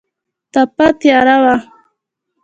تپه تیاره وه.